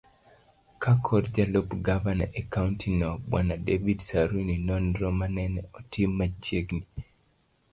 kakor jalup Gavana e kaonti no Bw.David Saruni nonro manene otim machiegni